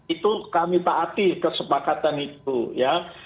itu kami taati kesepakatan itu ya